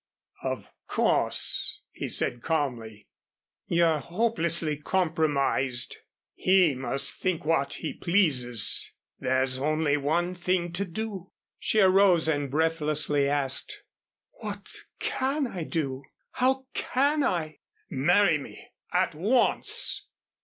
"Of course," he said, calmly, "you're hopelessly compromised. He must think what he pleases. There's only one thing to do." She arose and breathlessly asked, "What can I do? How can I " "Marry me at once."